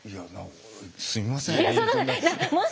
いやすみません。